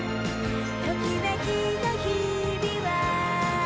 「ときめきの日々は」